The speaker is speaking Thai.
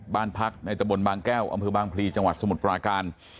บ้านพักในตะบนบางแก้วอำเภอบางพลีจังหวัดสมุทรปราการ